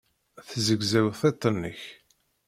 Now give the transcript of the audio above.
Tezzegzew tiṭ-nnek.